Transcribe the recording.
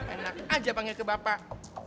enak aja panggil ke bapak